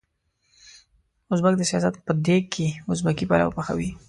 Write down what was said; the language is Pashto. ازبک د سياست په دېګ کې ازبکي پلو پخوي.